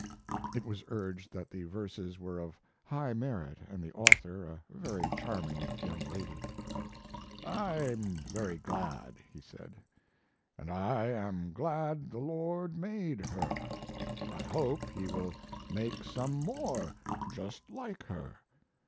It was urged that the verses were of high merit and the author a very charming young lady. "I'm very glad," he said, "and I am glad the Lord made her; I hope He will make some more just like her.